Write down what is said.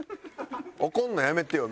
怒るのやめてよ。